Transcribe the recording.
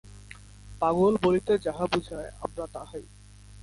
পাগল বলিতে যাহা বুঝায়, আমরা তাহাই।